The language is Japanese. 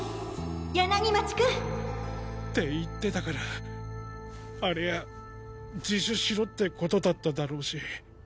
柳町君って言ってたからありゃ自首しろってことだっただろうし。